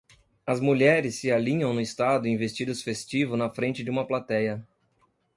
As mulheres se alinham no estado em vestidos festivos na frente de uma platéia.